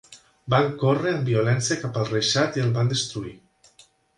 Van córrer amb violència cap al reixat i el van destruir.